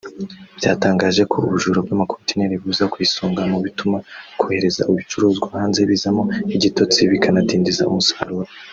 batangaje ko ubujura bw’amakontineri buza ku isonga mu bituma koherereza ibicuruzwa hanze bizamo igitotsi bikanadindiza umusaruro